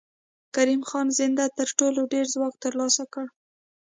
کریم خان زند تر ټولو ډېر ځواک تر لاسه کړ.